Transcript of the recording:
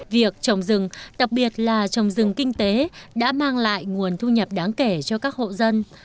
việc trồng rừng đặc biệt là trồng rừng kinh tế đã mang lại nguồn thu nhập đáng kể cho các hộ dân